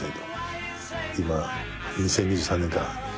今２０２３年か。